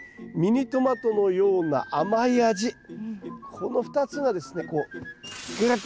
この２つがですね